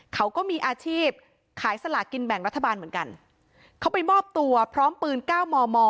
เขาก็มีอาชีพขายสลากินแบ่งรัฐบาลเหมือนกันเขาไปมอบตัวพร้อมปืนเก้ามอมอ